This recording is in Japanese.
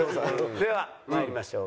では参りましょう。